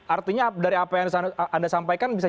artinya dari apa yang anda sampaikan bisa